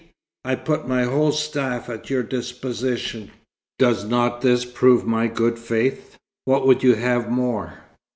I put my whole staff at your disposition. Does not this prove my good faith? What would you have more?"